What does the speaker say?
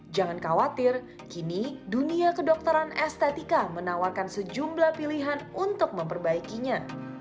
jangan khawatir kini dunia kedokteran estetika menawarkan sejumlah pilihan untuk memperbaikinya